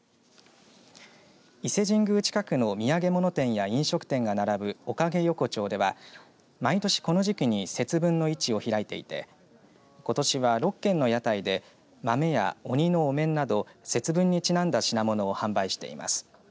伊勢神宮近くの土産物店や飲食店が並ぶおかげ横丁では毎年この時期に節分の市を開いていてことしは６軒の屋台で豆や鬼のお面など節分にちなんだ品物を販売しています。